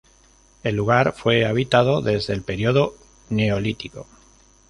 El lugar fue habitado desde el periodo Neolítico.